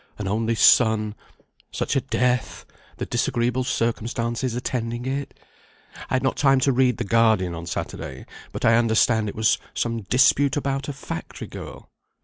an only son, such a death, the disagreeable circumstances attending it; I had not time to read the Guardian on Saturday, but I understand it was some dispute about a factory girl."